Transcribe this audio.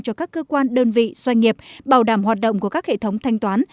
cho các cơ quan đơn vị doanh nghiệp bảo đảm hoạt động của các hệ thống thanh toán